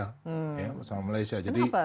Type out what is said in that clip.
kenapa bersama malaysia